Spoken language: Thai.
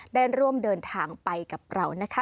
ได้ร่วมเดินทางไปกับเรานะคะ